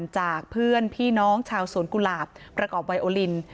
จากเพื่อนพี่น้องชาวสวนกุหลาบประกอบไวโอลิน